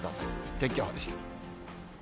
天気予報でした。